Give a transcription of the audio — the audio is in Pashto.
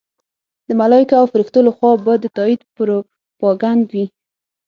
د ملایکو او فرښتو لخوا به د تایید پروپاګند وي.